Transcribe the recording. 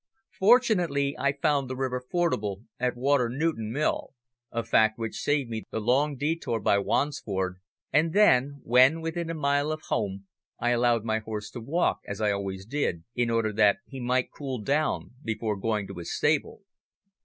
Fortunately I found the river fordable at Water Newton mill, a fact which saved me the long detour by Wansford, and then when within a mile of home I allowed my horse to walk, as I always did, in order that he might cool down before going to his stable.